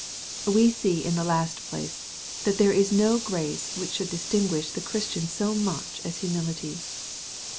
We see in the last place^ that there is no grace which shotdd distinguish the Christian sc much as humility.